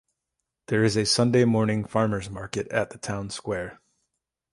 There is a Sunday morning farmers market at the Town Square.